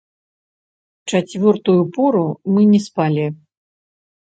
Чацвёртую пору мы не спалі.